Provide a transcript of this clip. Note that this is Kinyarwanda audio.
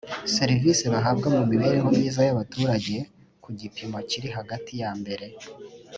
serivisi bahabwa mu mibereho myiza y abaturage ku gipimo kiri hagati yambere